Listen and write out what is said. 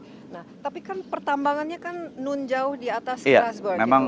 nah tapi kan pertambangannya kan nunjauh di atas keras